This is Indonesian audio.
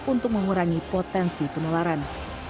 untuk mengurangi potensi penularan